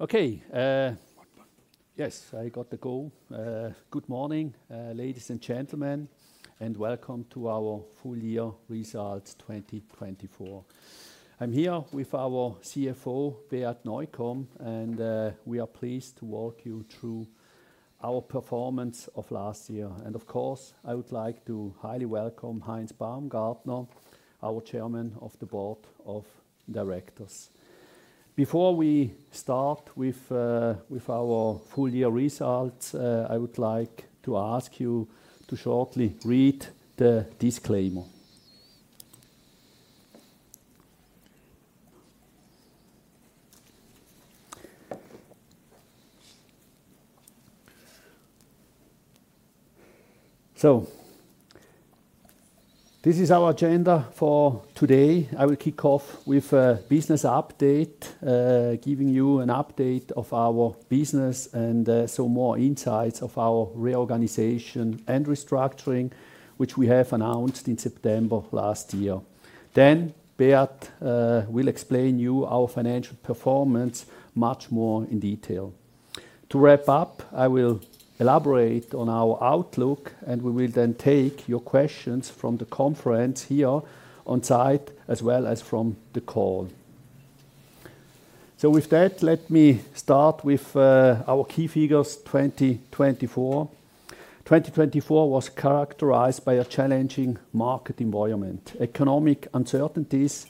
Okay, yes, I got the call. Good morning, ladies and gentlemen, and welcome to our Full Year Results 2024. I'm here with our CFO, Beat Neukom, and we are pleased to walk you through our performance of last year, and of course, I would like to highly welcome Heinz Baumgartner, our Chairman of the Board of Directors. Before we start with our full year results, I would like to ask you to shortly read the disclaimer, so this is our agenda for today. I will kick off with a business update, giving you an update of our business and some more insights of our reorganization and restructuring, which we have announced in September last year, then Beat will explain to you our financial performance much more in detail. To wrap up, I will elaborate on our outlook, and we will then take your questions from the conference here on site as well as from the call. So, with that, let me start with our key figures 2024. 2024 was characterized by a challenging market environment, economic uncertainties,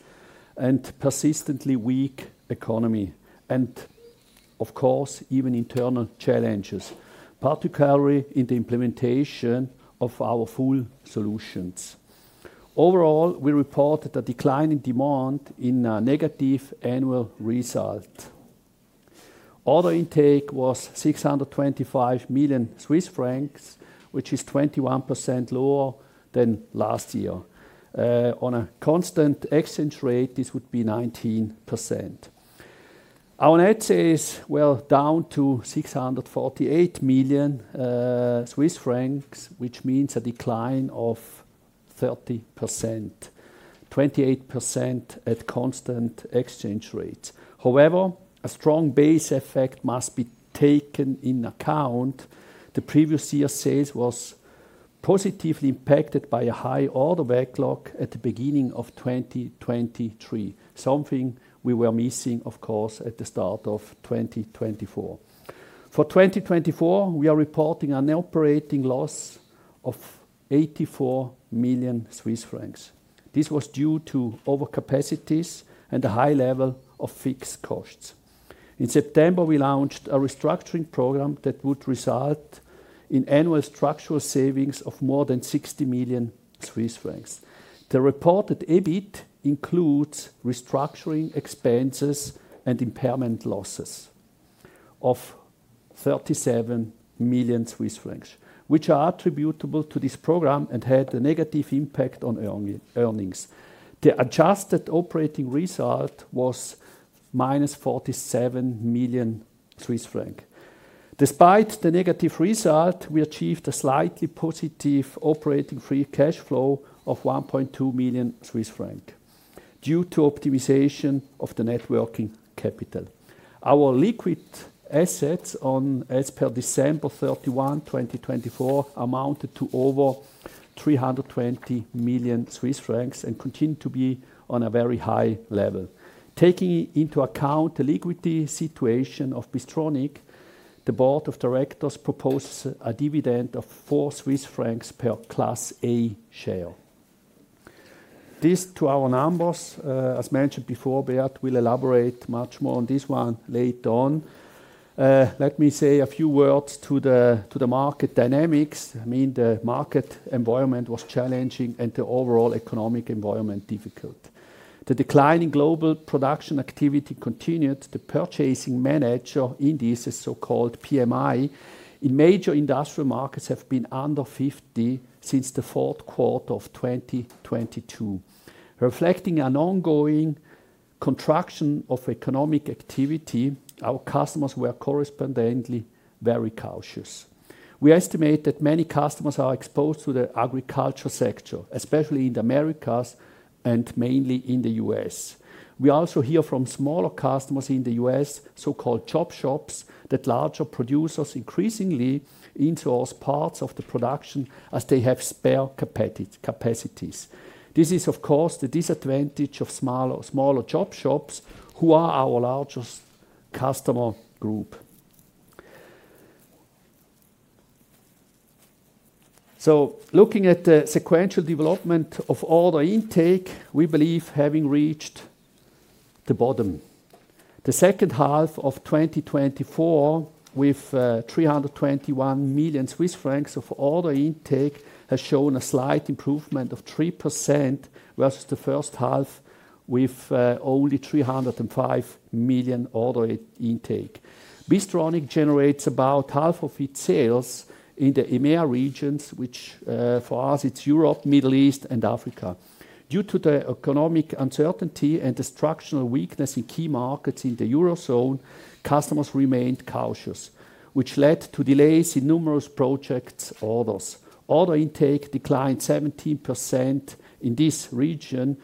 and a persistently weak economy, and of course, even internal challenges, particularly in the implementation of our full solutions. Overall, we reported a decline in demand in a negative annual result. Order intake was 625 million Swiss francs, which is 21% lower than last year. On a constant exchange rate, this would be 19%. Our net sales were down to 648 million Swiss francs, which means a decline of 30%, 28% at constant exchange rates. However, a strong base effect must be taken into account. The previous year's sales were positively impacted by a high order backlog at the beginning of 2023, something we were missing, of course, at the start of 2024. For 2024, we are reporting an operating loss of 84 million Swiss francs. This was due to overcapacities and a high level of fixed costs. In September, we launched a restructuring program that would result in annual structural savings of more than 60 million Swiss francs. The reported EBIT includes restructuring expenses and impairment losses of 37 million Swiss francs, which are attributable to this program and had a negative impact on earnings. The adjusted operating result was minus 47 million Swiss francs. Despite the negative result, we achieved a slightly positive operating free cash flow of 1.2 million Swiss francs due to optimization of the net working capital. Our liquid assets as of December 31, 2024, amounted to over 320 million Swiss francs and continue to be on a very high level. Taking into account the liquidity situation of Bystronic, the Board of Directors proposes a dividend of 4 Swiss francs per Class A share. This, to our numbers, as mentioned before, Beat will elaborate much more on this one later on. Let me say a few words to the market dynamics. I mean, the market environment was challenging and the overall economic environment difficult. The decline in global production activity continued. The purchasing managers' index, the so-called PMI, in major industrial markets has been under 50 since the fourth quarter of 2022. Reflecting an ongoing contraction of economic activity, our customers were correspondingly very cautious. We estimate that many customers are exposed to the agriculture sector, especially in the Americas and mainly in the US. We also hear from smaller customers in the US, so-called job shops, that larger producers increasingly insource parts of the production as they have spare capacities. This is, of course, the disadvantage of smaller job shops who are our largest customer group. So, looking at the sequential development of order intake, we believe having reached the bottom. The second half of 2024, with 321 million Swiss francs of order intake, has shown a slight improvement of 3% versus the first half, with only 305 million CHF order intake. Bystronic generates about half of its sales in the EMEA regions, which, for us, it's Europe, the Middle East, and Africa. Due to the economic uncertainty and the structural weakness in key markets in the Eurozone, customers remained cautious, which led to delays in numerous project orders. Order intake declined 17% in this region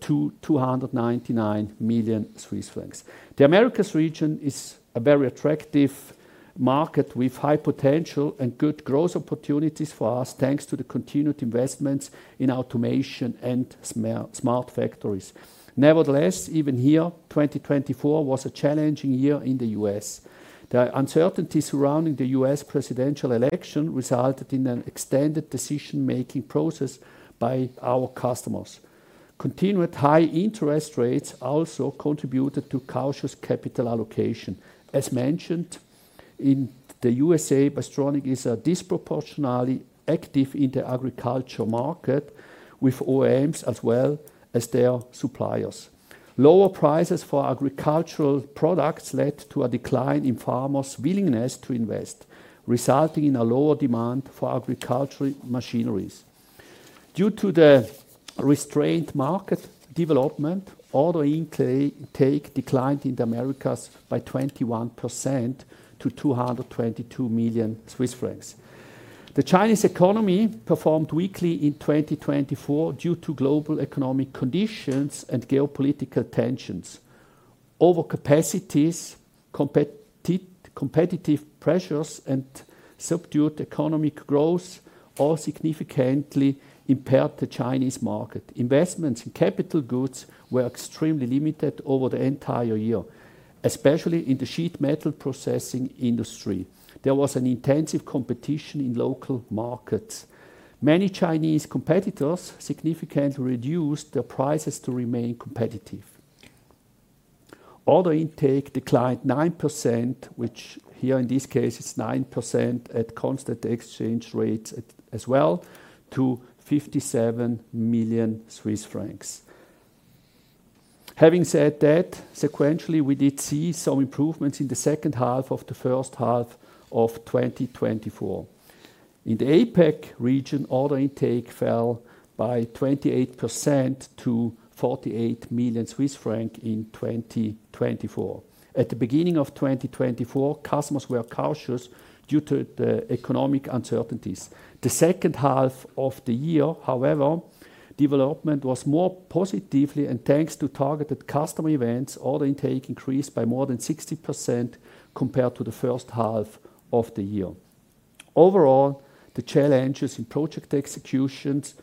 to 299 million Swiss francs. The Americas region is a very attractive market with high potential and good growth opportunities for us, thanks to the continued investments in automation and smart factories. Nevertheless, even here, 2024 was a challenging year in the U.S. The uncertainty surrounding the U.S. presidential election resulted in an extended decision-making process by our customers. Continued high interest rates also contributed to cautious capital allocation. As mentioned, in the U.S.A., Bystronic is disproportionately active in the agriculture market, with OEMs as well as their suppliers. Lower prices for agricultural products led to a decline in farmers' willingness to invest, resulting in a lower demand for agricultural machineries. Due to the restrained market development, order intake declined in the Americas by 21% to 222 million Swiss francs. The Chinese economy performed weakly in 2024 due to global economic conditions and geopolitical tensions. Overcapacities, competitive pressures, and subdued economic growth all significantly impaired the Chinese market. Investments in capital goods were extremely limited over the entire year, especially in the sheet metal processing industry. There was an intensive competition in local markets. Many Chinese competitors significantly reduced their prices to remain competitive. Order intake declined 9%, which here in this case is 9% at constant exchange rates as well, to 57 million Swiss francs. Having said that, sequentially, we did see some improvements in the second half of the first half of 2024. In the APEC region, order intake fell by 28% to 48 million Swiss francs in 2024. At the beginning of 2024, customers were cautious due to the economic uncertainties. The second half of the year, however, development was more positive, and thanks to targeted customer events, order intake increased by more than 60% compared to the first half of the year. Overall, the challenges in project executions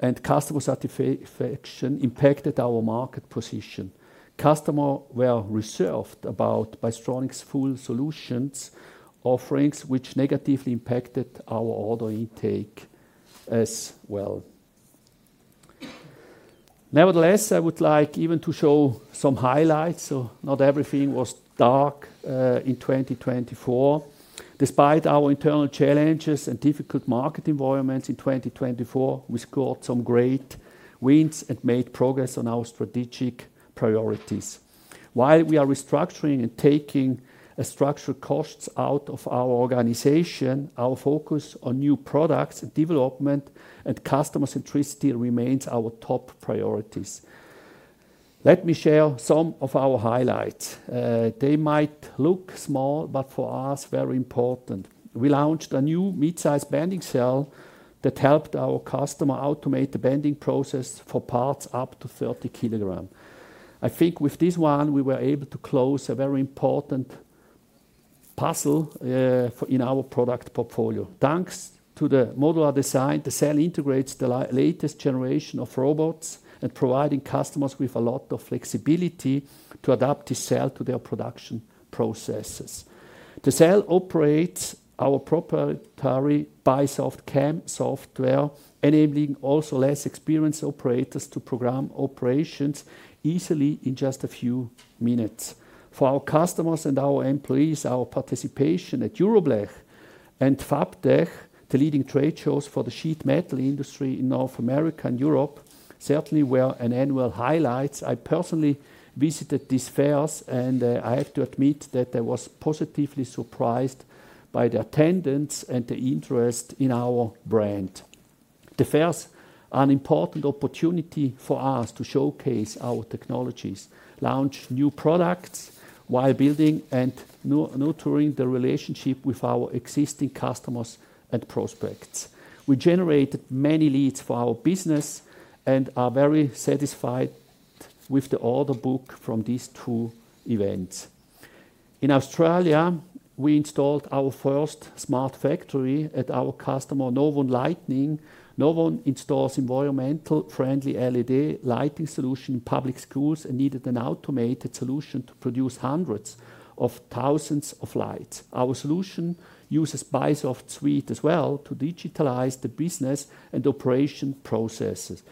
and customer satisfaction impacted our market position. Customers were reserved about Bystronic's full solutions offerings, which negatively impacted our order intake as well. Nevertheless, I would like even to show some highlights so not everything was dark in 2024. Despite our internal challenges and difficult market environments in 2024, we scored some great wins and made progress on our strategic priorities. While we are restructuring and taking structural costs out of our organization, our focus on new products and development and customer centricity remains our top priorities. Let me share some of our highlights. They might look small, but for us, very important. We launched a new midsize bending cell that helped our customer automate the bending process for parts up to 30 kg. I think with this one, we were able to close a very important puzzle, in our product portfolio. Thanks to the modular design, the cell integrates the latest generation of robots and provides customers with a lot of flexibility to adapt the cell to their production processes. The cell operates our proprietary BySoft CAM software, enabling also less experienced operators to program operations easily in just a few minutes. For our customers and our employees, our participation at EuroBLECH and FABTECH, the leading trade shows for the sheet metal industry in North America and Europe, certainly were annual highlights. I personally visited these fairs, and I have to admit that I was positively surprised by the attendance and the interest in our brand. The fairs are an important opportunity for us to showcase our technologies, launch new products while building and nurturing the relationship with our existing customers and prospects. We generated many leads for our business and are very satisfied with the order book from these two events. In Australia, we installed our first smart factory at our customer Novon Lighting. Novon installs environmentally friendly LED lighting solutions in public schools and needed an automated solution to produce hundreds of thousands of lights. Our solution uses BySoft Suite as well to digitalize the business and operation processes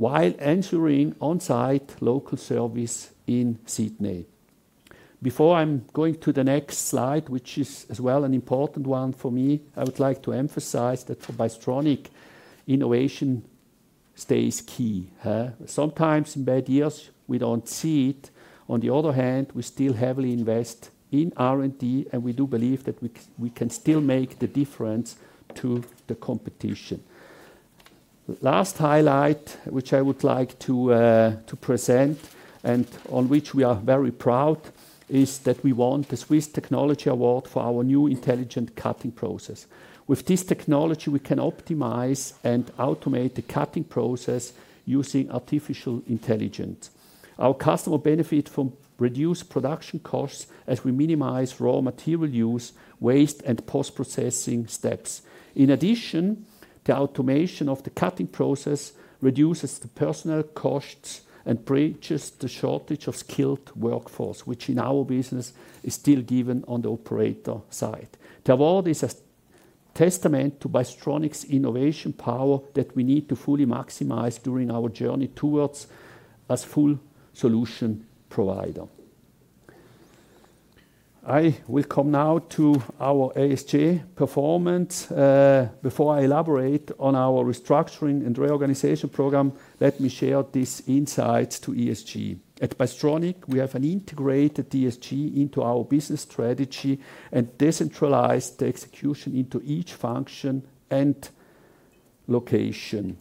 while ensuring on-site local service in Sydney. Before I'm going to the next slide, which is as well an important one for me, I would like to emphasize that for Bystronic, innovation stays key. Sometimes in bad years, we don't see it. On the other hand, we still heavily invest in R&D, and we do believe that we can still make the difference to the competition. Last highlight, which I would like to present and on which we are very proud, is that we won the Swiss Technology Award for our new intelligent cutting process. With this technology, we can optimize and automate the cutting process using artificial intelligence. Our customers benefit from reduced production costs as we minimize raw material use, waste, and post-processing steps. In addition, the automation of the cutting process reduces the personnel costs and bridges the shortage of skilled workforce, which in our business is still given on the operator side. The award is a testament to Bystronic's innovation power that we need to fully maximize during our journey towards a full solution provider. I will come now to our ESG performance. Before I elaborate on our restructuring and reorganization program, let me share these insights to ESG. At Bystronic, we have integrated ESG into our business strategy and decentralized the execution into each function and location.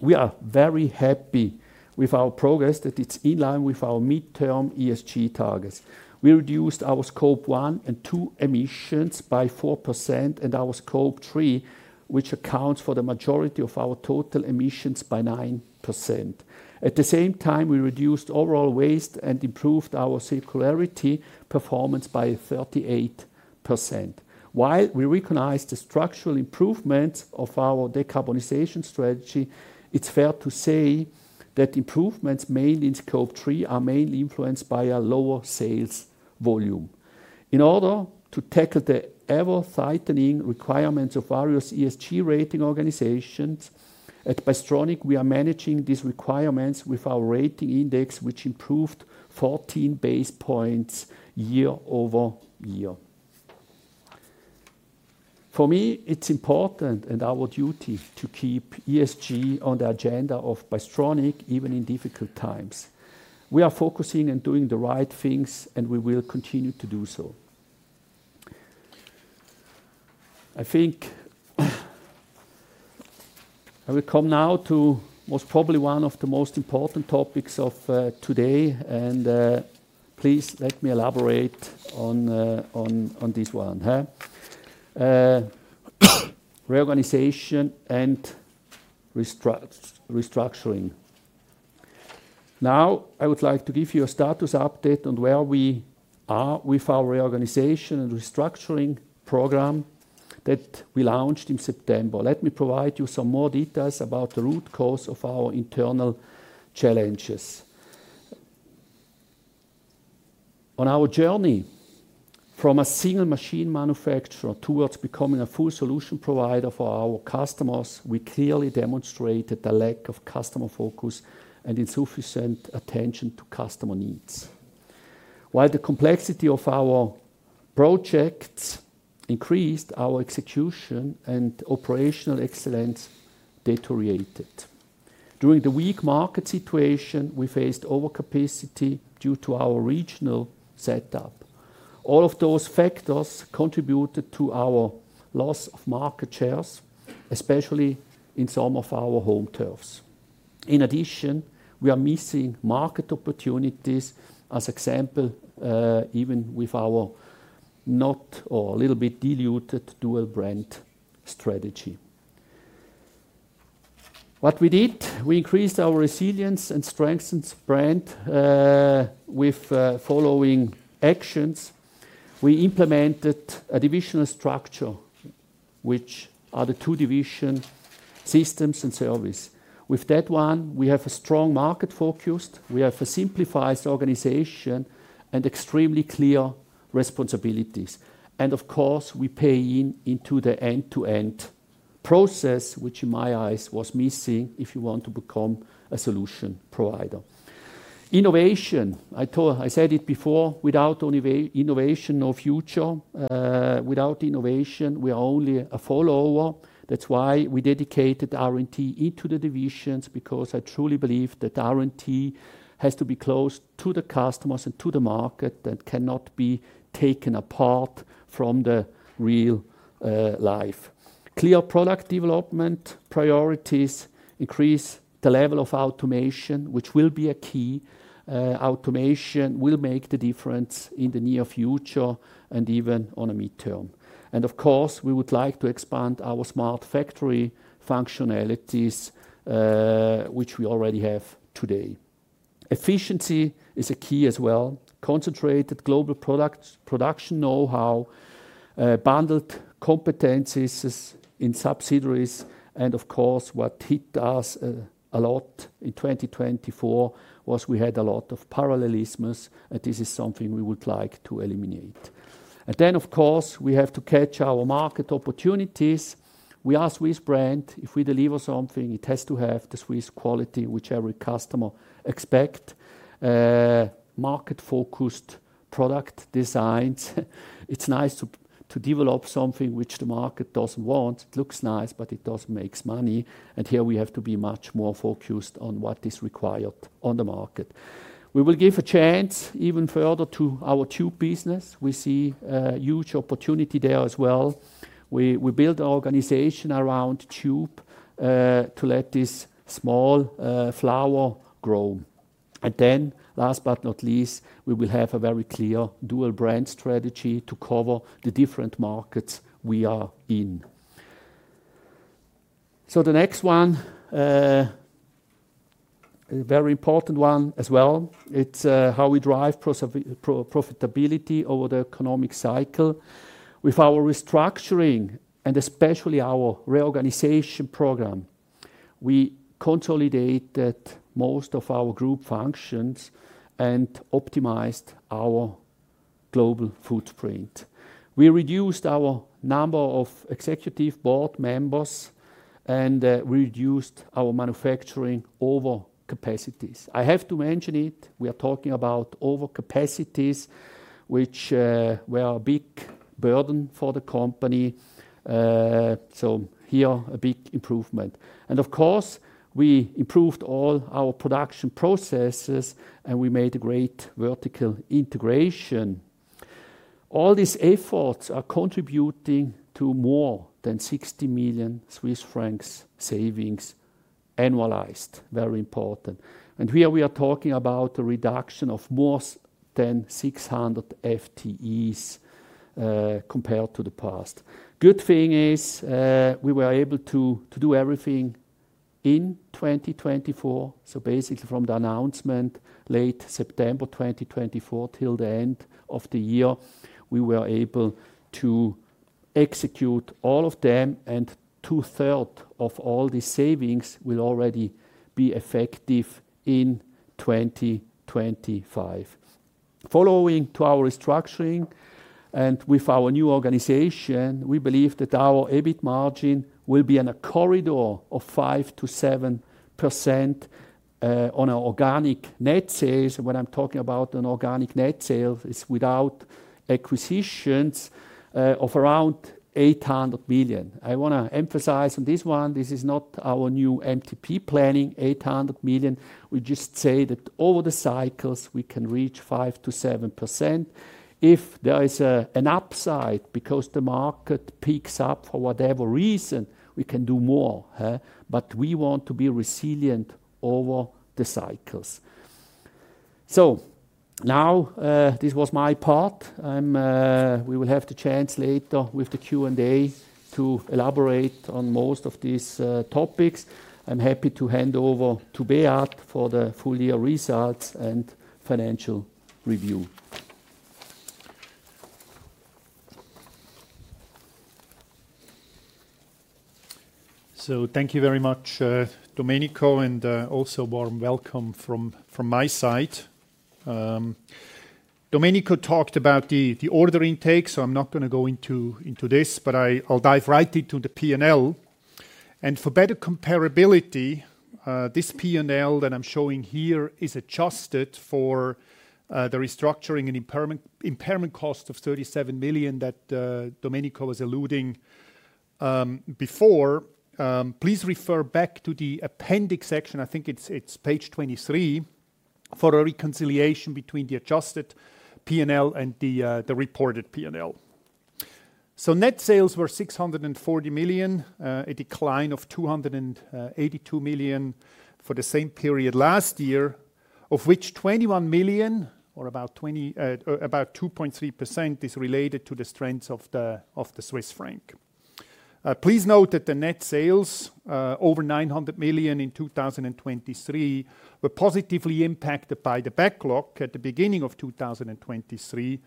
We are very happy with our progress that it's in line with our ESG targets. We reduced our Scope 1 and 2 emissions by 4% and our Scope 3, which accounts for the majority of our total emissions by 9%. At the same time, we reduced overall waste and improved our circularity performance by 38%. While we recognize the structural improvements of our decarbonization strategy, it's fair to say that improvements mainly in Scope 3 are mainly influenced by our lower sales volume. In order to tackle the ever-tightening requirements of various ESG rating organizations, at Bystronic, we are managing these requirements with our rating index, which improved 14 basis points year over year. For me, it's important and our duty to keep ESG on the agenda of Bystronic, even in difficult times. We are focusing and doing the right things, and we will continue to do so. I think I will come now to most probably one of the most important topics of today, and, please let me elaborate on this one, huh? Reorganization and restructuring. Now, I would like to give you a status update on where we are with our reorganization and restructuring program that we launched in September. Let me provide you some more details about the root cause of our internal challenges. On our journey from a single machine manufacturer towards becoming a full solution provider for our customers, we clearly demonstrated the lack of customer focus and insufficient attention to customer needs. While the complexity of our projects increased, our execution and operational excellence deteriorated. During the weak market situation, we faced overcapacity due to our regional setup. All of those factors contributed to our loss of market shares, especially in some of our home turfs. In addition, we are missing market opportunities as an example, even with our not or a little bit diluted dual-brand strategy. What we did? We increased our resilience and strengthened the brand with following actions. We implemented a divisional structure, which are the two divisions: Systems and Service. With that one, we have a strong market focus. We have a simplified organization and extremely clear responsibilities. And of course, we pay into the end-to-end process, which in my eyes was missing if you want to become a solution provider. Innovation, I said it before, without innovation, no future. Without innovation, we are only a follower. That's why we dedicated R&D into the divisions, because I truly believe that R&D has to be close to the customers and to the market that cannot be taken apart from the real life. Clear product development priorities increase the level of automation, which will be a key. Automation will make the difference in the near future and even on a mid-term. And of course, we would like to expand our smart factory functionalities, which we already have today. Efficiency is a key as well. Concentrated global product production know-how, bundled competencies in subsidiaries. And of course, what hit us a lot in 2024 was we had a lot of parallelisms, and this is something we would like to eliminate. And then, of course, we have to catch our market opportunities. We are a Swiss brand. If we deliver something, it has to have the Swiss quality, which every customer expects. Market-focused product designs. It's nice to develop something which the market doesn't want. It looks nice, but it doesn't make money. And here we have to be much more focused on what is required on the market. We will give a chance even further to our tube business. We build an organization around tube, to let this small flower grow. And then, last but not least, we will have a very clear dual-brand strategy to cover the different markets we are in. So the next one, a very important one as well. It's how we drive profitability over the economic cycle. With our restructuring and especially our reorganization program, we consolidated most of our group functions and optimized our global footprint. We reduced our number of executive board members and reduced our manufacturing overcapacities. I have to mention it. We are talking about overcapacities, which were a big burden for the company. So here, a big improvement, and of course, we improved all our production processes and we made a great vertical integration. All these efforts are contributing to more than 60 million Swiss francs savings annualized. Very important, and here we are talking about a reduction of more than 600 FTEs, compared to the past. Good thing is, we were able to do everything in 2024. So basically, from the announcement late September 2024 till the end of the year, we were able to execute all of them, and two-thirds of all these savings will already be effective in 2025. Following our restructuring and with our new organization, we believe that our EBIT margin will be in a corridor of 5%-7%, on our organic net sales. And when I'm talking about an organic net sales, it's without acquisitions, of around 800 million. I want to emphasize on this one. This is not our new MTP planning, 800 million. We just say that over the cycles, we can reach 5%-7%. If there is an upside because the market picks up for whatever reason, we can do more, huh? But we want to be resilient over the cycles. So now, this was my part. We will have the chance later with the Q&A to elaborate on most of these topics. I'm happy to hand over to Beat for the full year results and financial review. So thank you very much, Domenico, and also warm welcome from my side. Domenico talked about the order intake, so I'm not going to go into this, but I'll dive right into the P&L. For better comparability, this P&L that I'm showing here is adjusted for the restructuring and impairment cost of 37 million that Domenico was alluding to before. Please refer back to the appendix section. I think it's page 23 for a reconciliation between the adjusted P&L and the reported P&L. Net sales were 640 million, a decline of 282 million from the same period last year, of which 21 million, or about 2.0, about 2.3%, is related to the strength of the Swiss franc. Please note that net sales over 900 million in 2023 were positively impacted by the backlog at the beginning of 2023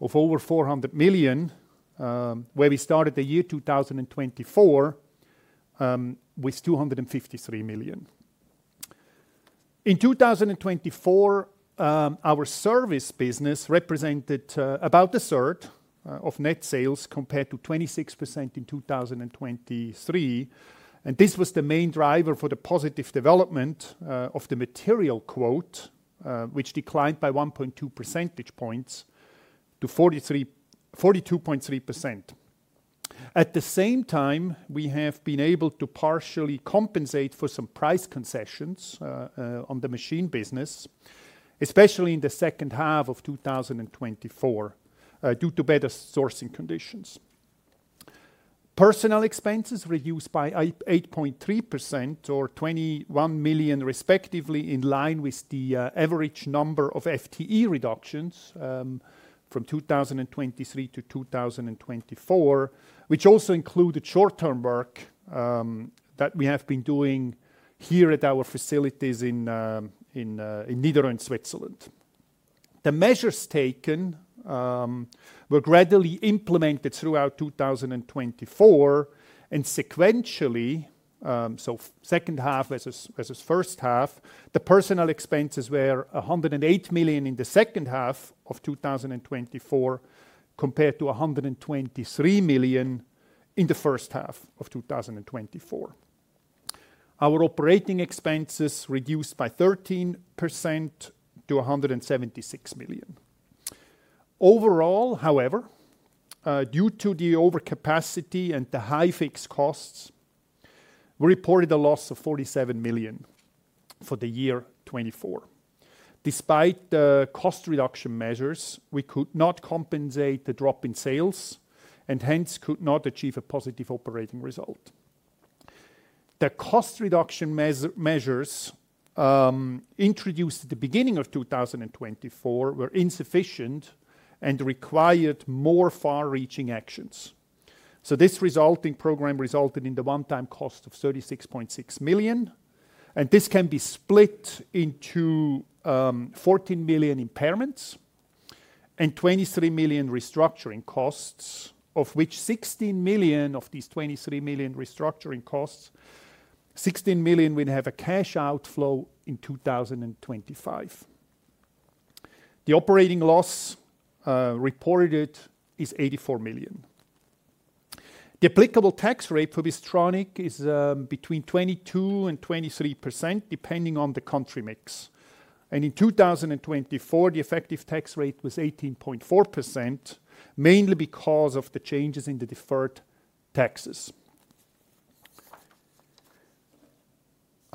of over 400 million, whereas we started the year 2024 with 253 million. In 2024, our service business represented about a third of net sales compared to 26% in 2023. This was the main driver for the positive development of the gross margin, which declined by 1.2 percentage points to 42.3%. At the same time, we have been able to partially compensate for some price concessions on the machine business, especially in the second half of 2024, due to better sourcing conditions. Personnel expenses reduced by 8.3% or 21 million, respectively, in line with the average number of FTE reductions from 2023 to 2024, which also included short-term work that we have been doing here at our facilities in Netherlands, Switzerland. The measures taken were gradually implemented throughout 2024 and sequentially, so second half versus first half. The personnel expenses were 108 million in the second half of 2024 compared to 123 million in the first half of 2024. Our operating expenses reduced by 13% to 176 million. Overall, however, due to the overcapacity and the high fixed costs, we reported a loss of 47 million for the year 2024. Despite the cost reduction measures, we could not compensate the drop in sales and hence could not achieve a positive operating result. The cost reduction measures introduced at the beginning of 2024 were insufficient and required more far-reaching actions. This resulting program resulted in the one-time cost of 36.6 million. This can be split into 14 million impairments and 23 million restructuring costs, of which 16 million of these 23 million restructuring costs, 16 million will have a cash outflow in 2025. The reported operating loss is 84 million. The applicable tax rate for Bystronic is between 22%-23%, depending on the country mix. In 2024, the effective tax rate was 18.4%, mainly because of the changes in the deferred taxes.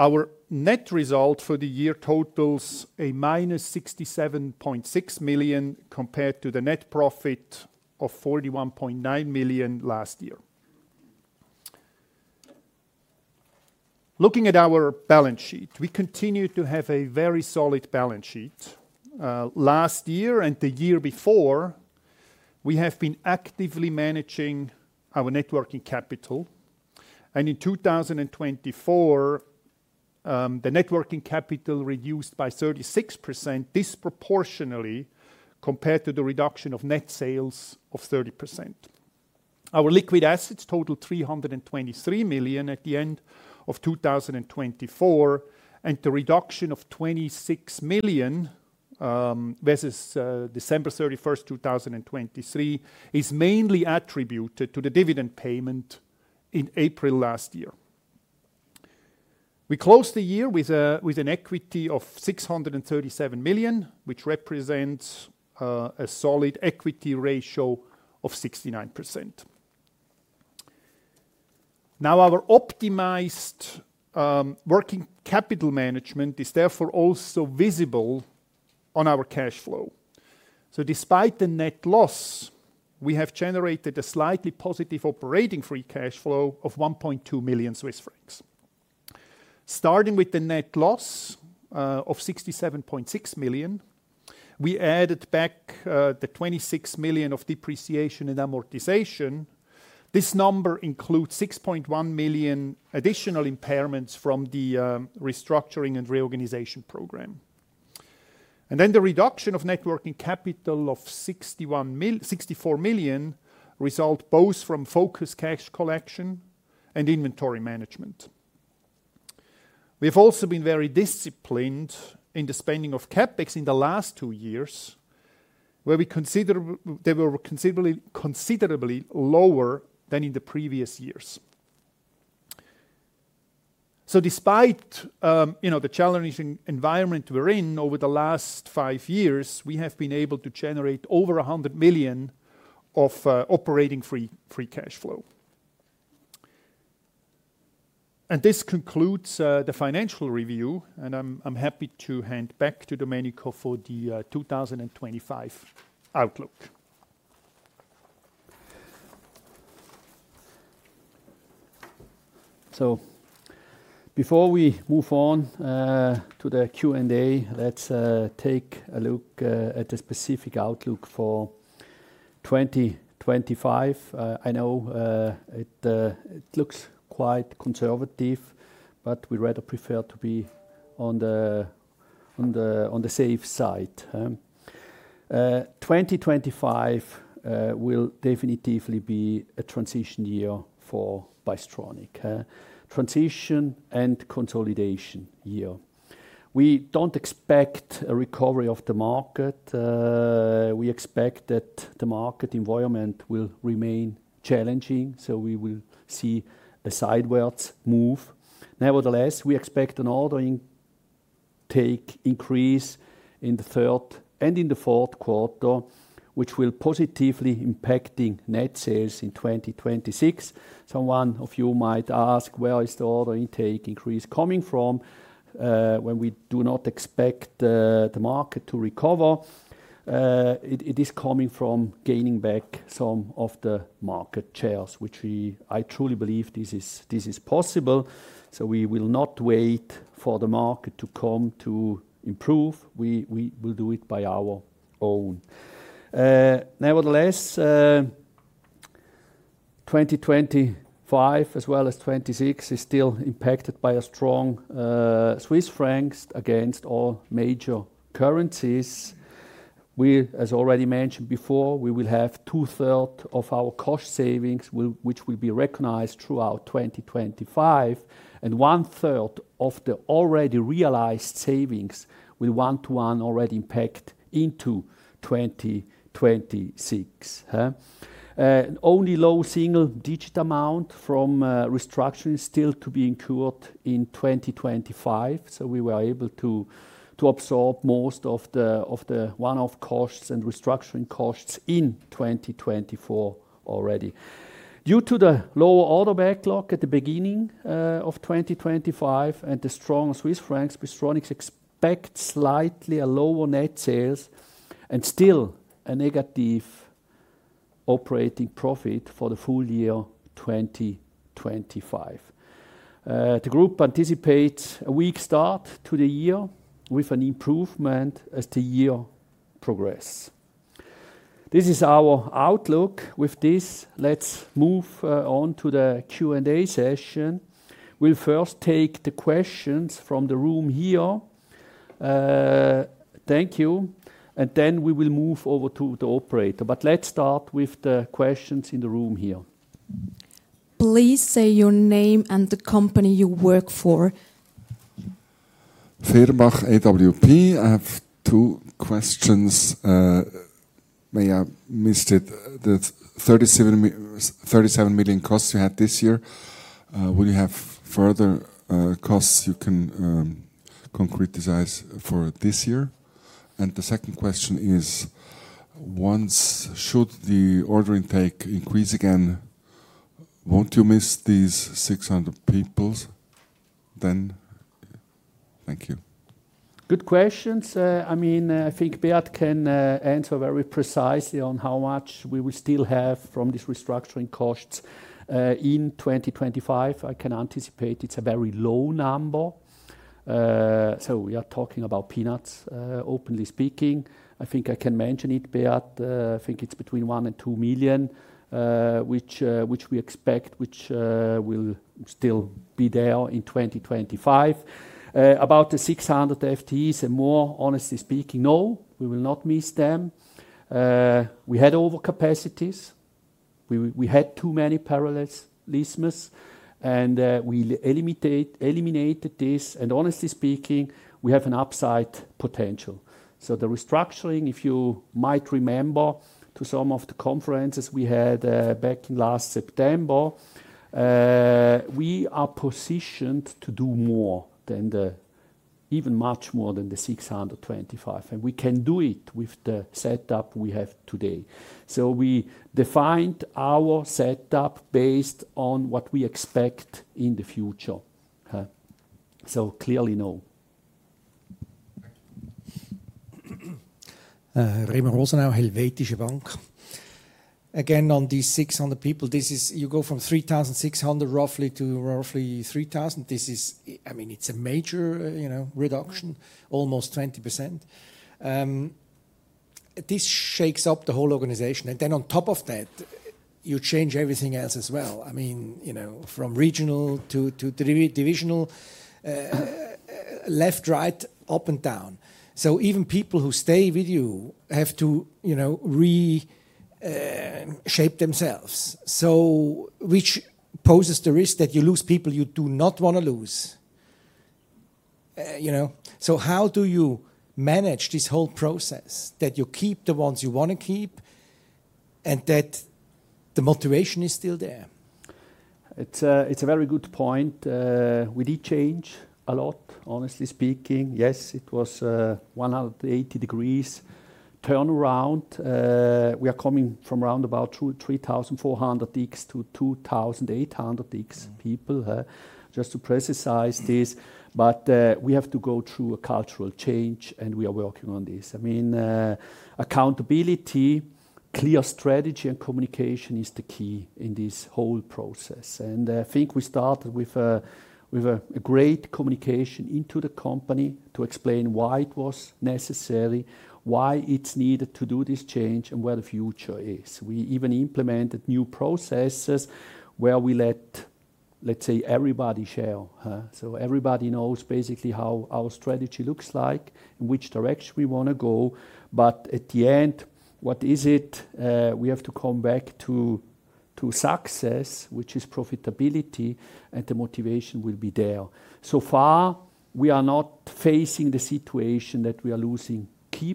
Our net result for the year totals -67.6 million compared to the net profit of 41.9 million last year. Looking at our balance sheet, we continue to have a very solid balance sheet. Last year and the year before, we have been actively managing our net working capital. In 2024, the net working capital reduced by 36% disproportionately compared to the reduction of net sales of 30%. Our liquid assets total 323 million at the end of 2024, and the reduction of 26 million versus December 31st, 2023, is mainly attributed to the dividend payment in April last year. We closed the year with an equity of 637 million, which represents a solid equity ratio of 69%. Now, our optimized working capital management is therefore also visible on our cash flow. Despite the net loss, we have generated a slightly positive operating free cash flow of 1.2 million Swiss francs. Starting with the net loss of 67.6 million, we added back the 26 million of depreciation and amortization. This number includes 6.1 million additional impairments from the restructuring and reorganization program. And then the reduction of net working capital of 61 million, 64 million result both from focused cash collection and inventory management. We have also been very disciplined in the spending of CapEx in the last two years, where we consider they were considerably lower than in the previous years. So despite, you know, the challenging environment we're in over the last five years, we have been able to generate over 100 million of operating free cash flow. And this concludes the financial review, and I'm happy to hand back to Domenico for the 2025 outlook. So before we move on to the Q&A, let's take a look at the specific outlook for 2025. I know it looks quite conservative, but we rather prefer to be on the safe side. 2025 will definitively be a transition year for Bystronic, transition and consolidation year. We don't expect a recovery of the market. We expect that the market environment will remain challenging, so we will see the sideways move. Nevertheless, we expect an order intake increase in the third and in the fourth quarter, which will positively impact net sales in 2026. Someone of you might ask, where is the order intake increase coming from? When we do not expect the market to recover, it is coming from gaining back some of the market shares, which we truly believe this is possible. So we will not wait for the market to come to improve. We will do it by our own. Nevertheless, 2025 as well as 2026 is still impacted by a strong Swiss francs against all major currencies. We, as already mentioned before, we will have two-thirds of our cost savings, which will be recognized throughout 2025, and one-third of the already realized savings will one-to-one already impact into 2026. Only a low single digit amount from restructuring is still to be incurred in 2025. So we were able to absorb most of the one-off costs and restructuring costs in 2024 already. Due to the lower order backlog at the beginning of 2025 and the strong Swiss francs, Bystronic expects slightly a lower net sales and still a negative operating profit for the full year 2025. The group anticipates a weak start to the year with an improvement as the year progresses. This is our outlook with this. Let's move on to the Q&A session. We'll first take the questions from the room here. Thank you. And then we will move over to the Operator. But let's start with the questions in the room here. Please say your name and the company you work for. [Thierbach, AWP. I have two questions. May I ask it? The 37 million costs you had this year, will you have further costs you can concretize for this year? And the second question is, once the order intake increases again, won't you miss these 600 people then? Thank you. Good questions. I mean, I think Beat can answer very precisely on how much we will still have from these restructuring costs in 2025. I can anticipate it's a very low number. So we are talking about peanuts, openly speaking. I think I can mention it, Beat. I think it's between one and two million CHF, which we expect will still be there in 2025. About the 600 FTEs and more, honestly speaking, no, we will not miss them. We had overcapacities. We had too many parallelisms, and we eliminated this. Honestly speaking, we have an upside potential. The restructuring, if you might remember from some of the conferences we had back in last September, we are positioned to do more than even much more than the 625. And we can do it with the setup we have today. We defined our setup based on what we expect in the future. So, clearly, no. Remo Rosenau, Helvetische Bank. Again, on these 600 people, this is you go from 3,600 roughly to roughly 3,000. This is, I mean, it's a major, you know, reduction, almost 20%. This shakes up the whole organization. Then on top of that, you change everything else as well. I mean, you know, from regional to divisional, left, right, up and down. So even people who stay with you have to, you know, reshape themselves. So which poses the risk that you lose people you do not want to lose, you know. So how do you manage this whole process that you keep the ones you want to keep and that the motivation is still there? It's a very good point. We did change a lot, honestly speaking. Yes, it was a 180-degree turnaround. We are coming from around about 3,400 FTE to 2,800 FTE people, just to be precise this. But we have to go through a cultural change and we are working on this. I mean, accountability, clear strategy, and communication is the key in this whole process. I think we started with a great communication into the company to explain why it was necessary, why it's needed to do this change, and where the future is. We even implemented new processes where we let, let's say, everybody share. Everybody knows basically how our strategy looks like and which direction we want to go. At the end, what is it? We have to come back to success, which is profitability, and the motivation will be there. Far, we are not facing the situation that we are losing key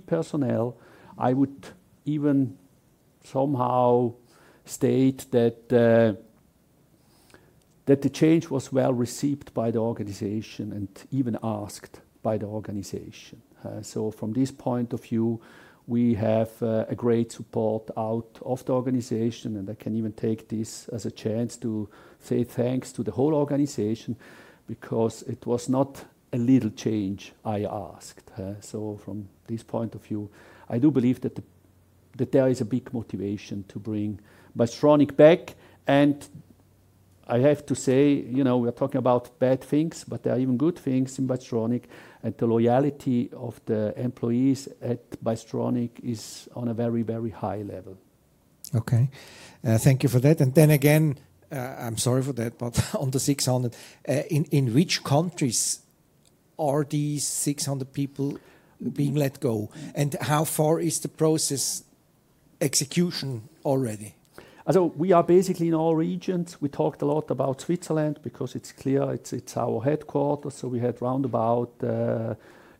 personnel. I would even somehow state that the change was well received by the organization and even asked by the organization. From this point of view, we have a great support out of the organization. I can even take this as a chance to say thanks to the whole organization because it was not a little change I asked. So from this point of view, I do believe that there is a big motivation to bring Bystronic back. And I have to say, you know, we are talking about bad things, but there are even good things in Bystronic. And the loyalty of the employees at Bystronic is on a very, very high level. Okay. Thank you for that. And then again, I'm sorry for that, but on the 600, in which countries are these 600 people being let go? And how far is the process execution already? So we are basically in all regions. We talked a lot about Switzerland because it's clear it's our headquarters. So we had round about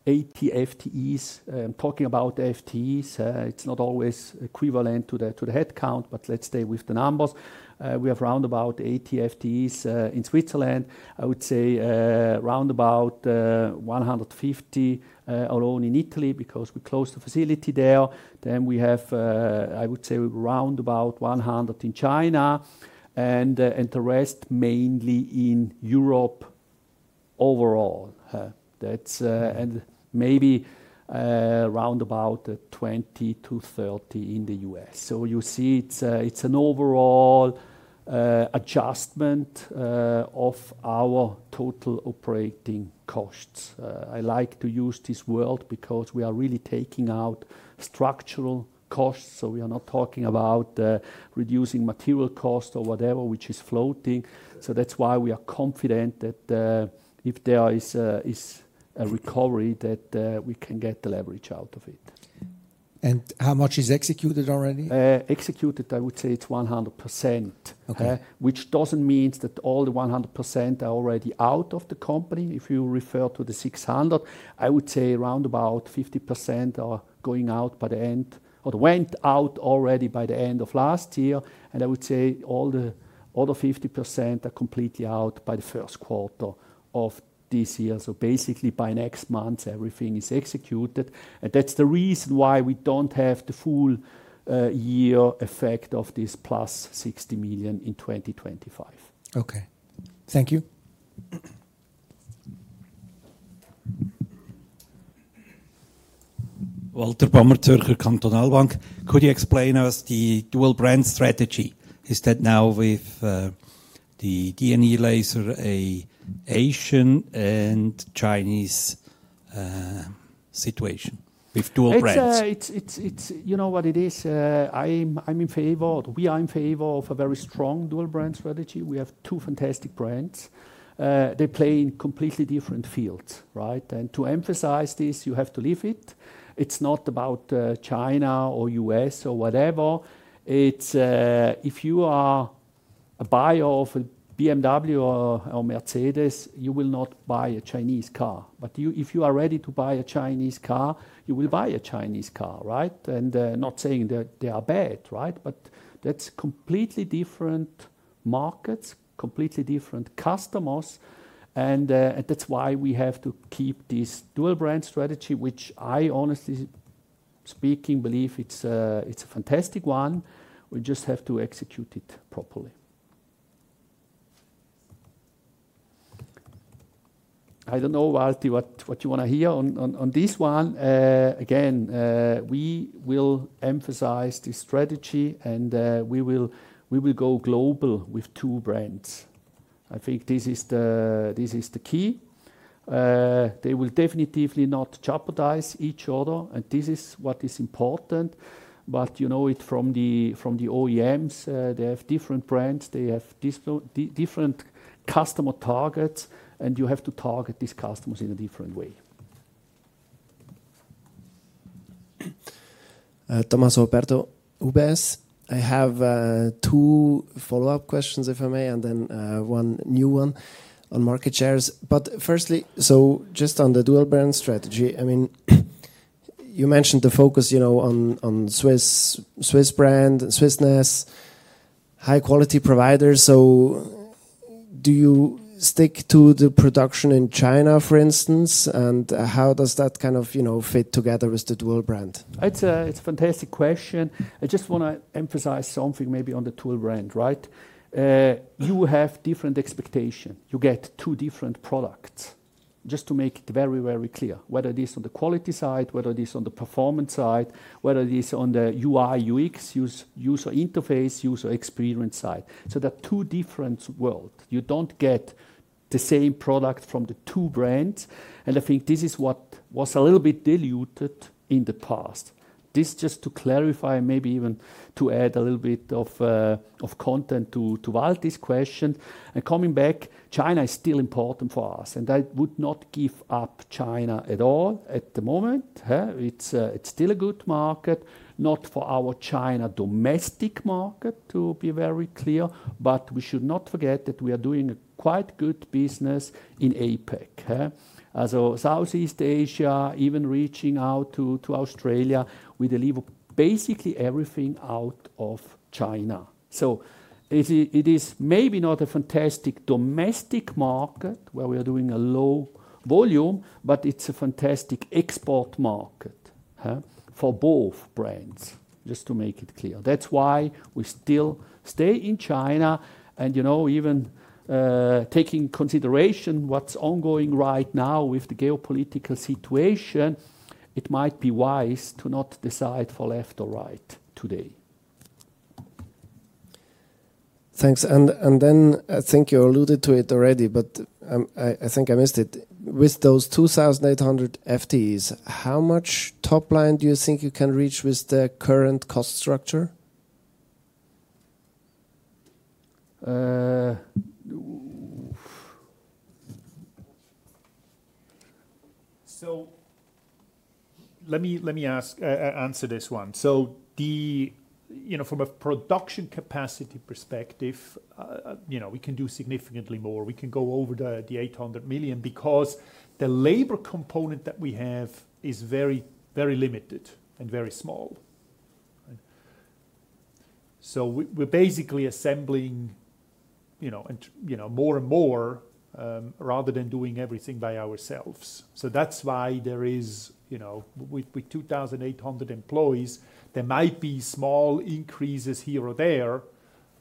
80 FTEs. I'm talking about FTEs. It's not always equivalent to the headcount, but let's stay with the numbers. We have round about 80 FTEs in Switzerland. I would say round about 150 alone in Italy because we closed the facility there. Then we have I would say round about 100 in China and the rest mainly in Europe overall. That's, and maybe, round about 20 to 30 in the US. So you see it's an overall adjustment of our total operating costs. I like to use this word because we are really taking out structural costs. So we are not talking about reducing material costs or whatever, which is floating. So that's why we are confident that if there is a recovery, we can get the leverage out of it, and how much is executed already? Executed, I would say it's 100%. Okay. which doesn't mean that all the 100% are already out of the company. If you refer to the 600, I would say around about 50% are going out by the end or went out already by the end of last year. And I would say all the other 50% are completely out by the first quarter of this year. So basically by next month, everything is executed. And that's the reason why we don't have the full-year effect of this plus 60 million in 2025. Okay. Thank you. Walter Bamert, Zürcher Kantonalbank. Could you explain us the dual brand strategy? Is that now with the DNE Laser, an Asian and Chinese situation with dual brands? It's you know what it is. I'm in favor, we are in favor of a very strong dual brand strategy. We have two fantastic brands. They play in completely different fields, right? And to emphasize this, you have to live it. It's not about China or US or whatever. It's if you are a buyer of a BMW or Mercedes, you will not buy a Chinese car. But you, if you are ready to buy a Chinese car, you will buy a Chinese car, right? And not saying that they are bad, right? But that's completely different markets, completely different customers. And that's why we have to keep this dual brand strategy, which I honestly speaking believe it's a fantastic one. We just have to execute it properly. I don't know, Walter, what you want to hear on this one. Again, we will emphasize this strategy and we will go global with two brands. I think this is the key. They will definitely not jeopardize each other. And this is what is important. But you know it from the OEMs. They have different brands. They have different customer targets. And you have to target these customers in a different way. Tommaso Poletto, UBS, I have two follow-up questions, if I may, and then one new one on market shares. But firstly, so just on the dual-brand strategy, I mean, you mentioned the focus, you know, on Swiss brand, Swissness, high-quality providers. So do you stick to the production in China, for instance? And how does that kind of, you know, fit together with the dual-brand? It's a fantastic question. I just want to emphasize something maybe on the dual-brand, right? You have different expectations. You get two different products. Just to make it very, very clear, whether it is on the quality side, whether it is on the performance side, whether it is on the UI, UX, user interface, user experience side. So there are two different worlds. You don't get the same product from the two brands. And I think this is what was a little bit diluted in the past. This just to clarify and maybe even to add a little bit of content to answer this question. And coming back, China is still important for us. And I would not give up China at all at the moment. It's still a good market, not for our China domestic market to be very clear. But we should not forget that we are doing a quite good business in APAC. So Southeast Asia, even reaching out to Australia with delivery of basically everything out of China. So it is maybe not a fantastic domestic market where we are doing a low volume, but it's a fantastic export market for both brands. Just to make it clear. That's why we still stay in China. And you know, even taking consideration what's ongoing right now with the geopolitical situation, it might be wise to not decide for left or right today. Thanks. And then I think you alluded to it already, but I think I missed it. With those 2,800 FTEs, how much top line do you think you can reach with the current cost structure? So let me answer this one. So you know, from a production capacity perspective, you know, we can do significantly more. We can go over the 800 million because the labor component that we have is very, very limited and very small. So we're basically assembling, you know, and, you know, more and more, rather than doing everything by ourselves. So that's why there is, you know, with 2,800 employees, there might be small increases here or there,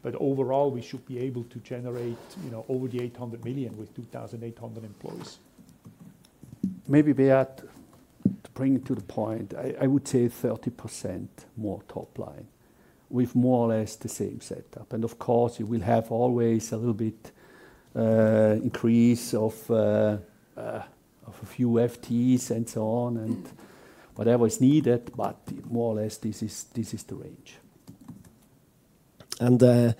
but overall we should be able to generate, you know, over the 800 million with 2,800 employees. Maybe Beat, to bring it to the point, I would say 30% more top line with more or less the same setup. And of course, you will have always a little bit, increase of a few FTEs and so on and whatever is needed. But more or less, this is the range, and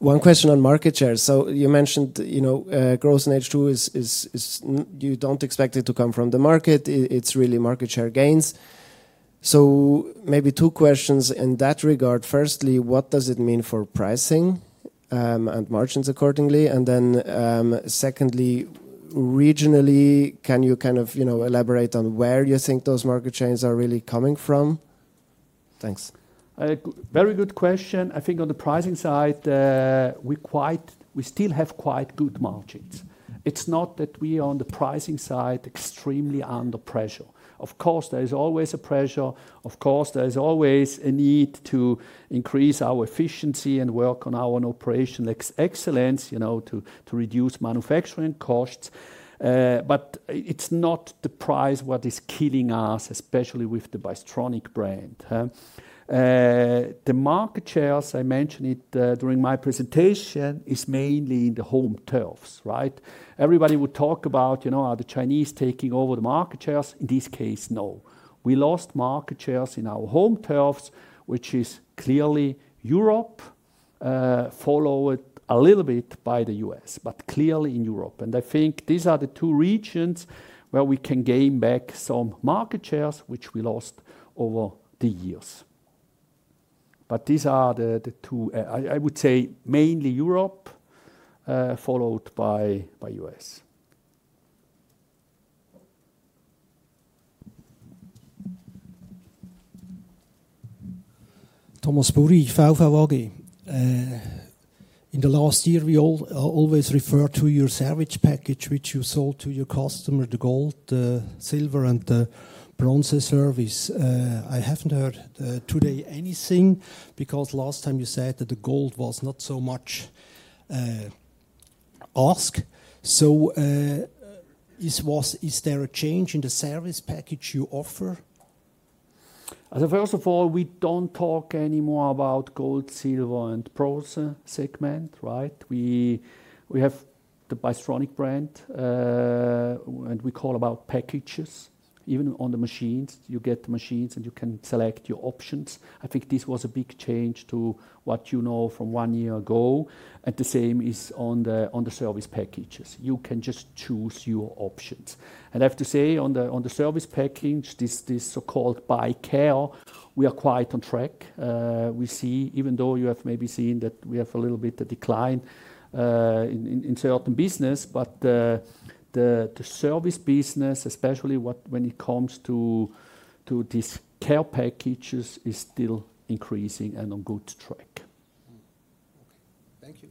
one question on market share. So you mentioned, you know, growth in H2 is you don't expect it to come from the market. It's really market share gains. So maybe two questions in that regard. Firstly, what does it mean for pricing, and margins accordingly? And then, secondly, regionally, can you kind of, you know, elaborate on where you think those market share gains are really coming from? Thanks. Very good question. I think on the pricing side, we still have quite good margins. It's not that we are on the pricing side extremely under pressure. Of course, there is always a pressure. Of course, there is always a need to increase our efficiency and work on our operational excellence, you know, to reduce manufacturing costs. But it's not the price what is killing us, especially with the Bystronic brand. The market shares, I mentioned it during my presentation, is mainly in the home turfs, right? Everybody would talk about, you know, are the Chinese taking over the market shares? In this case, no. We lost market shares in our home turfs, which is clearly Europe, followed a little bit by the US, but clearly in Europe. And I think these are the two regions where we can gain back some market shares, which we lost over the years. But these are the, the two, I would say mainly Europe, followed by, by US. Thomas Burri, [VVAG]. In the last year, we all always referred to your service package, which you sold to your customer, the gold, the silver, and the bronze service. I haven't heard today anything because last time you said that the gold was not so much asked. Is there a change in the service package you offer? First of all, we don't talk anymore about gold, silver, and bronze segment, right? We have the Bystronic brand, and we talk about packages. Even on the machines, you get the machines and you can select your options. I think this was a big change to what you know from one year ago. And the same is on the service packages. You can just choose your options. And I have to say on the service package, this so-called ByCare, we are quite on track. We see, even though you have maybe seen that we have a little bit of decline in certain business, but the service business, especially when it comes to these care packages is still increasing and on good track. Okay. Thank you.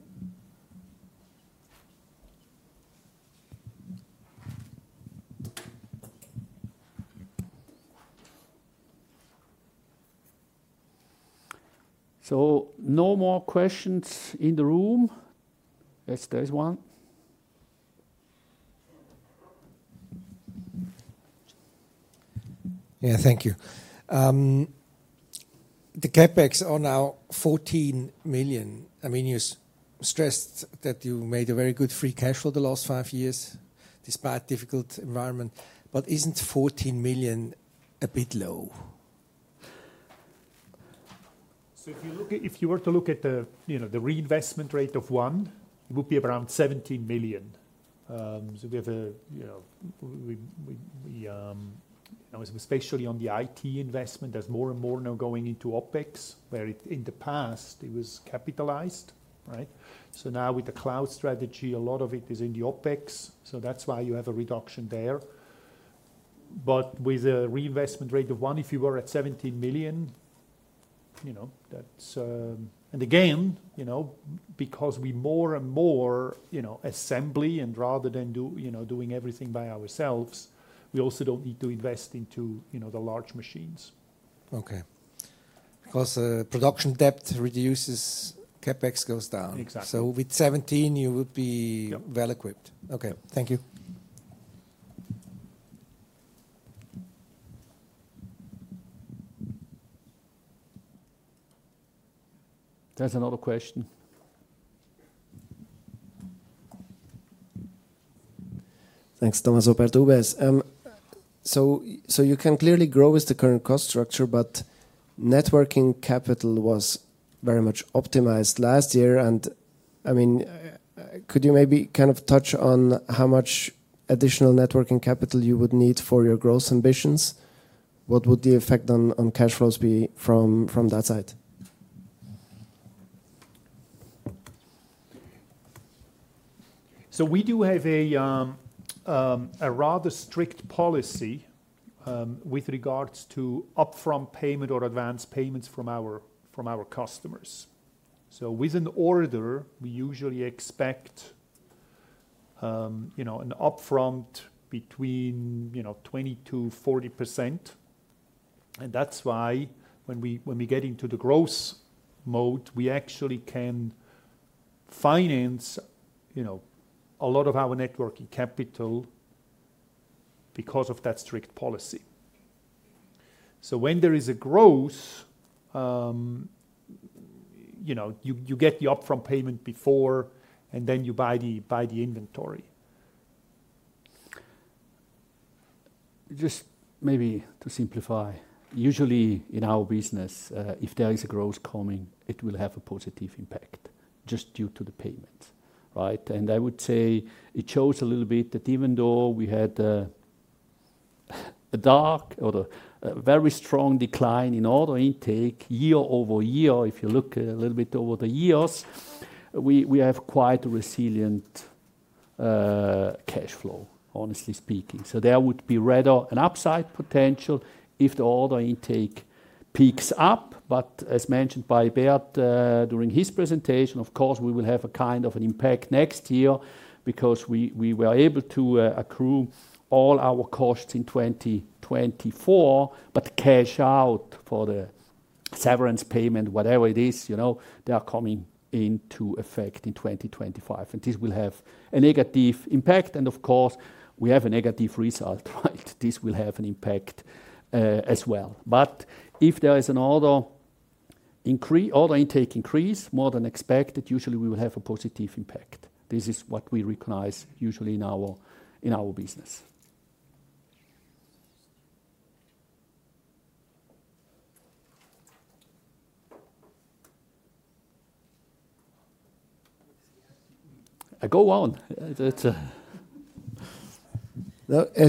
So no more questions in the room. Yes, there's one. Yeah, thank you. The CapEx on our 14 million. I mean, you stressed that you made a very good free cash flow the last five years despite difficult environment, but isn't 14 million a bit low? So if you look at, if you were to look at the, you know, the reinvestment rate of one, it would be around 17 million. So we have a, you know, we, you know, especially on the IT investment, there's more and more now going into OpEx, where it in the past it was capitalized, right? So now with the cloud strategy, a lot of it is in the OpEx. So that's why you have a reduction there. But with a reinvestment rate of one, if you were at 17 million, you know, that's, and again, you know, because we more and more, you know, assembly and rather than do, you know, doing everything by ourselves, we also don't need to invest into, you know, the large machines. Okay. Because the production depth reduces, CapEx goes down. Exactly. So with 17, you would be well equipped. Okay. Thank you. There's another question. Thanks, Thomas Burri. So you can clearly grow with the current cost structure, but net working capital was very much optimized last year. And I mean, could you maybe kind of touch on how much additional net working capital you would need for your growth ambitions? What would the effect on cash flows be from that side? So we do have a rather strict policy with regards to upfront payment or advance payments from our customers. So with an order, we usually expect, you know, an upfront between 20%-40%. And that's why when we get into the growth mode, we actually can finance, you know, a lot of our net working capital because of that strict policy. So when there is a growth, you know, you get the upfront payment before and then you buy the inventory. Just maybe to simplify, usually in our business, if there is a growth coming, it will have a positive impact just due to the payments, right? I would say it shows a little bit that even though we had a stark or a very strong decline in order intake year over year, if you look a little bit over the years, we have quite a resilient cash flow, honestly speaking. So there would be rather an upside potential if the order intake picks up. But as mentioned by Beat during his presentation, of course, we will have a kind of an impact next year because we were able to accrue all our costs in 2024, but cash out for the severance payment, whatever it is, you know, they are coming into effect in 2025. This will have a negative impact. Of course, we have a negative result, right? This will have an impact, as well. But if there is an order increase, order intake increase more than expected, usually we will have a positive impact. This is what we recognize usually in our business. I go on. That's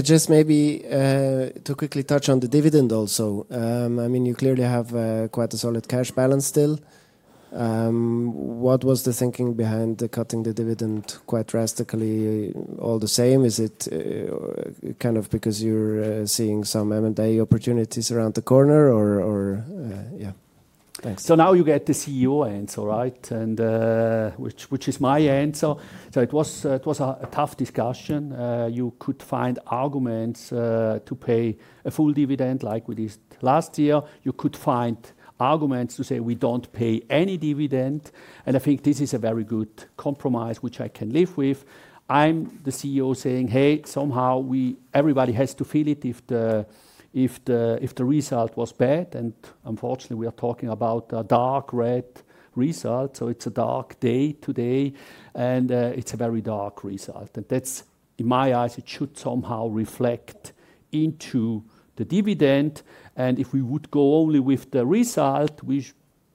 just maybe to quickly touch on the dividend also. I mean, you clearly have quite a solid cash balance still. What was the thinking behind the cutting the dividend quite drastically all the same? Is it kind of because you're seeing some M&A opportunities around the corner or yeah? Thanks. So now you get the CEO answer, right? And which is my answer. So it was a tough discussion. You could find arguments to pay a full dividend like we did last year. You could find arguments to say we don't pay any dividend. And I think this is a very good compromise, which I can live with. I'm the CEO saying, hey, somehow we, everybody has to feel it if the result was bad, and unfortunately, we are talking about a dark red result, so it's a dark day today, and it's a very dark result, and that's in my eyes, it should somehow reflect into the dividend, and if we would go only with the result, which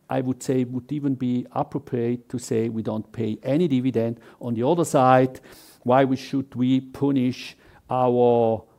I would say would even be appropriate to say we don't pay any dividend, on the other side, why should we punish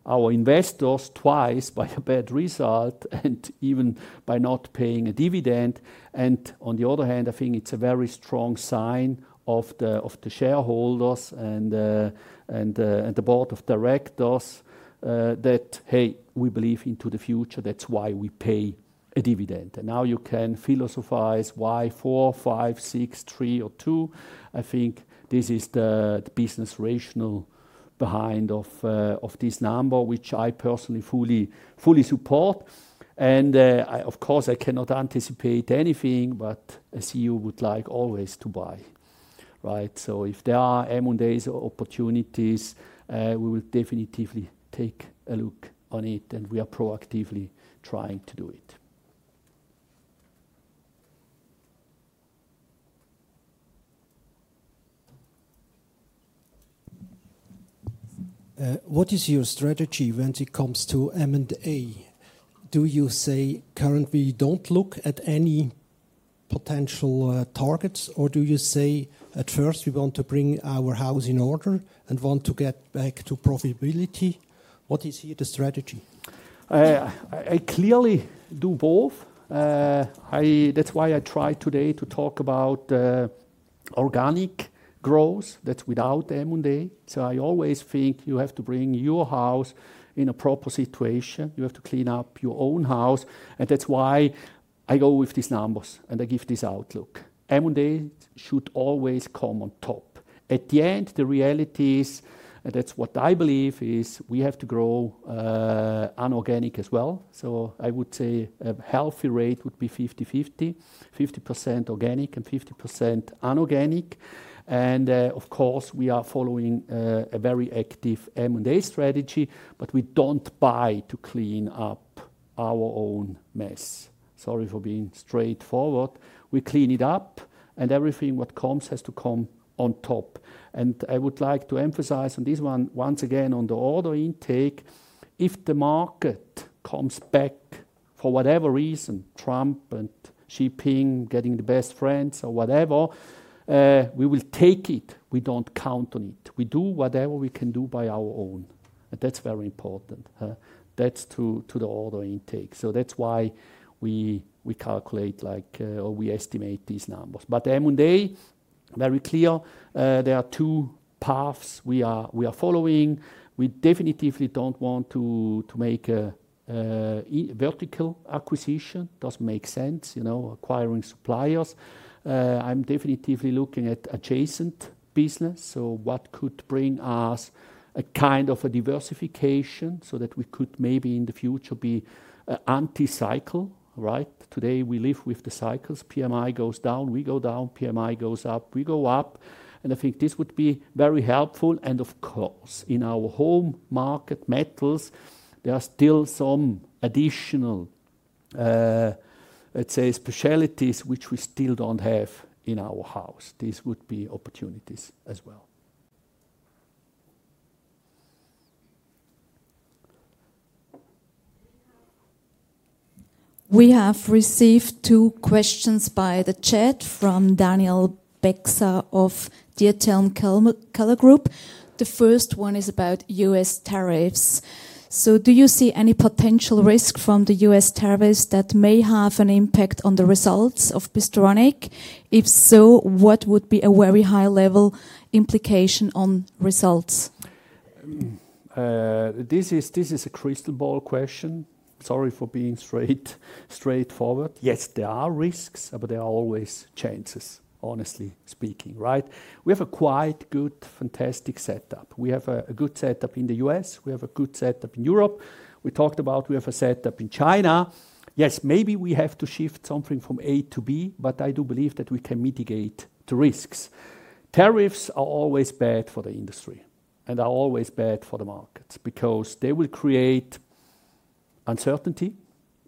our investors twice by a bad result and even by not paying a dividend, and on the other hand, I think it's a very strong sign of the shareholders and the board of directors, that, hey, we believe into the future. That's why we pay a dividend. Now you can philosophize why four, five, six, three, or two. I think this is the, the business rationale behind of, of this number, which I personally fully, fully support. Of course, I cannot anticipate anything, but a CEO would like always to buy, right? So if there are M&A opportunities, we will definitely take a look on it and we are proactively trying to do it. What is your strategy when it comes to M&A? Do you say currently you don't look at any potential targets or do you say at first we want to bring our house in order and want to get back to profitability? What is here the strategy? I, I clearly do both. That's why I tried today to talk about organic growth that's without M&A. So I always think you have to bring your house in a proper situation. You have to clean up your own house, and that's why I go with these numbers and I give this outlook. M&A should always come on top. At the end, the reality is, and that's what I believe is we have to grow, unorganic as well, so I would say a healthy rate would be 50-50, 50% organic and 50% unorganic, and, of course, we are following a very active M&A strategy, but we don't buy to clean up our own mess. Sorry for being straightforward. We clean it up and everything what comes has to come on top, and I would like to emphasize on this one once again on the order intake. If the market comes back for whatever reason, Trump and Xi Jinping getting the best friends or whatever, we will take it. We don't count on it. We do whatever we can do by our own. That's very important. That's to the order intake. So that's why we calculate like, or we estimate these numbers. But M&A, very clear, there are two paths we are following. We definitely don't want to make a vertical acquisition. Doesn't make sense, you know, acquiring suppliers. I'm definitely looking at adjacent business. So what could bring us a kind of a diversification so that we could maybe in the future be an anti-cycle, right? Today we live with the cycles. PMI goes down, we go down, PMI goes up, we go up. I think this would be very helpful. Of course, in our home market metals, there are still some additional, let's say, specialties which we still don't have in our house. These would be opportunities as well. We have received two questions by the chat from Daniel Beksa of Diethelm Keller Group. The first one is about U.S. tariffs. So do you see any potential risk from the U.S. tariffs that may have an impact on the results of Bystronic? If so, what would be a very high level implication on results? This is, this is a crystal ball question. Sorry for being straight, straightforward. Yes, there are risks, but there are always chances, honestly speaking, right? We have a quite good, fantastic setup. We have a good setup in the U.S. We have a good setup in Europe. We talked about we have a setup in China. Yes, maybe we have to shift something from A to B, but I do believe that we can mitigate the risks. Tariffs are always bad for the industry and are always bad for the markets because they will create uncertainty.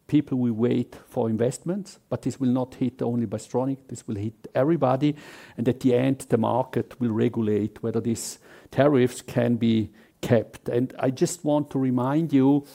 People will wait for investments, but this will not hit only Bystronic. This will hit everybody. At the end, the market will regulate whether these tariffs can be kept. I just want to remind you,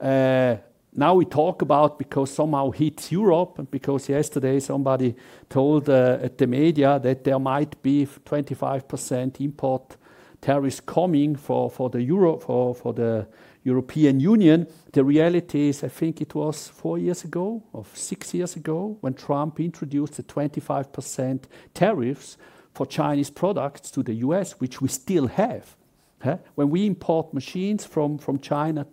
now we talk about because somehow hits Europe and because yesterday somebody told at the media that there might be 25% import tariffs coming for Europe, for the European Union. The reality is, I think it was four years ago or six years ago when Trump introduced the 25% tariffs for Chinese products to the US, which we still have. When we import machines from China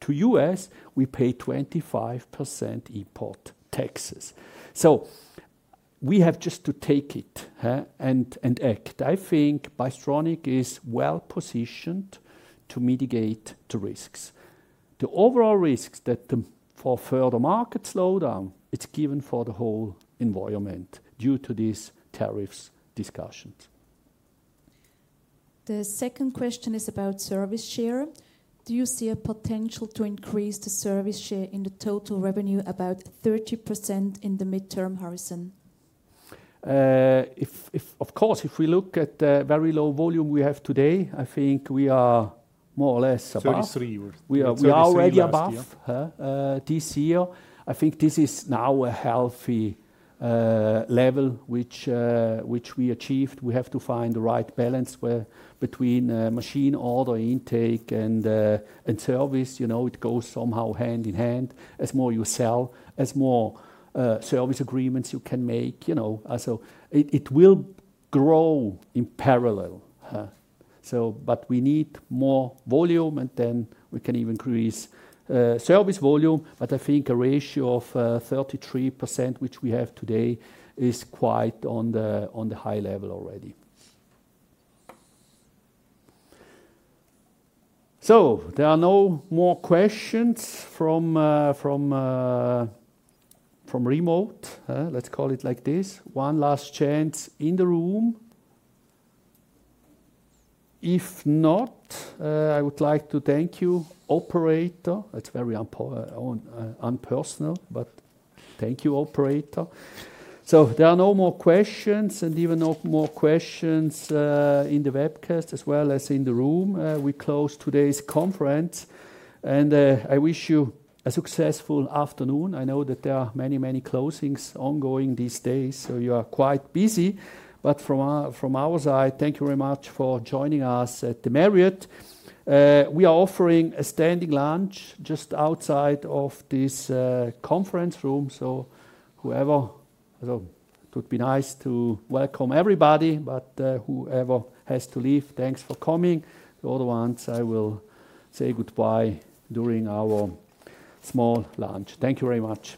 to US, we pay 25% import taxes. So we have just to take it and act. I think Bystronic is well positioned to mitigate the risks. The overall risks for further market slowdown, it's given for the whole environment due to these tariffs discussions. The second question is about service share. Do you see a potential to increase the service share in the total revenue about 30% in the mid-term horizon? Of course, if we look at the very low volume we have today, I think we are more or less about 33%. We are already above this year. I think this is now a healthy level which we achieved. We have to find the right balance between machine order intake and service, you know, it goes somehow hand in hand as more you sell, more service agreements you can make, you know, so it will grow in parallel. So, but we need more volume and then we can even increase service volume. But I think a ratio of 33%, which we have today, is quite on the high level already. So there are no more questions from remote, huh? Let's call it like this. One last chance in the room. If not, I would like to thank you, Operator. That's very impersonal, but thank you, Operator. So there are no more questions and even no more questions in the webcast as well as in the room. We close today's conference, and I wish you a successful afternoon. I know that there are many, many closings ongoing these days, so you are quite busy, but from our side, thank you very much for joining us at the Marriott. We are offering a standing lunch just outside of this conference room. It would be nice to welcome everybody, but whoever has to leave, thanks for coming. The other ones, I will say goodbye during our small lunch. Thank you very much.